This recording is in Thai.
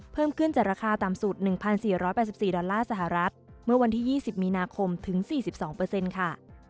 เพิ่มขึ้นจากราคาต่ำสุดหนึ่งพันสี่ร้อยแปดสิบสี่ดอลลาร์สหรัฐเมื่อวันที่ยี่สิบมีนาคมถึงสี่สิบสองเปอร์เซ็นต์ค่ะ